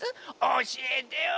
おしえてよ！